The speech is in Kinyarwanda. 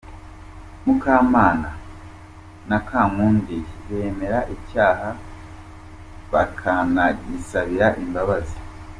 Mukamana na Kankundiye bemera icyaha bakanagisabira imbabazi.